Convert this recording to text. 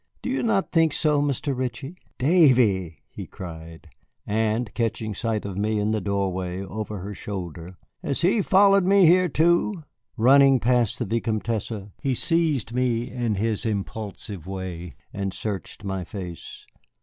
"Do you not think so, Mr. Ritchie?" "Davy!" he cried. And catching sight of me in the doorway, over her shoulder, "Has he followed me here too?" Running past the Vicomtesse, he seized me in his impulsive way and searched my face.